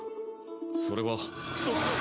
それは。